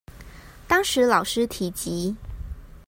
當時老師提及